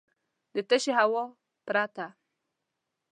د تشې هوا پرته .